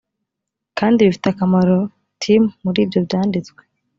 kandi bifite akamaro tim muri ibyo byanditswe